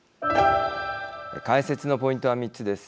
解説のポイントは３つです。